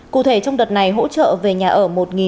cụ thể trong đợt này hỗ trợ về nhà ở